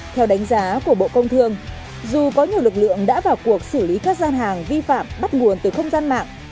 theo đánh giá của bộ công thương dù có nhiều lực lượng đã vào cuộc xử lý các gian hàng vi phạm bắt nguồn từ không gian mạng